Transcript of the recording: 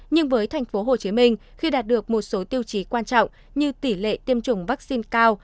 nhưng với tp hcm khi đạt được một số tiêu chí quan trọng như tỷ lệ tiêm chủng vaccine cao